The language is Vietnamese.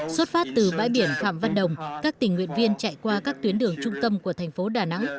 xuất phát từ bãi biển phạm văn đồng các tình nguyện viên chạy qua các tuyến đường trung tâm của thành phố đà nẵng